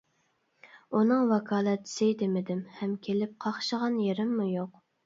ئۇنىڭ ۋاكالەتچىسى دېمىدىم ھەم كېلىپ قاقشىغان يېرىممۇ يوق.